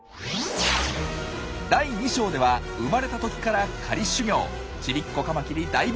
第２章では生まれた時から狩り修業。